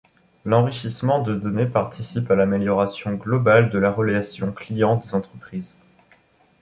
L'enrichissement de données participe à l'amélioration globale de la Relation Client des entreprises.